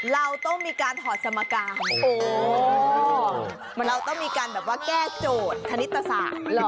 เราต้องมีการถอดสมการโอ้เหมือนเราต้องมีการแบบว่าแก้โจทย์คณิตศาสตร์เหรอ